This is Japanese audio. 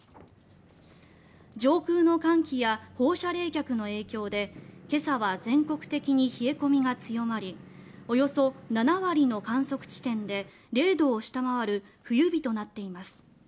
上空の寒気や放射冷却の影響で今朝は全国的に冷え込みが強まりおよそ７割の観測地点で０度を下回る冬日となっています。